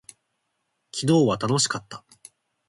昨日は楽しかった。